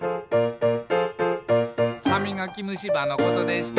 「はみがきむしばのことでした」